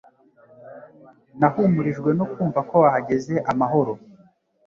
Nahumurijwe no kumva ko wahageze amahoro